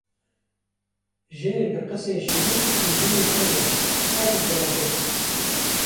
Jinê bi qisên şîrîn û jinê pir rind her du felaket in.